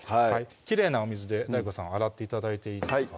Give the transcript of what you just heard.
きれいなお水でＤＡＩＧＯさん洗って頂いていいですか？